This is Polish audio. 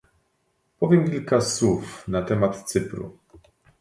Powiem kilka słów na temat Cypru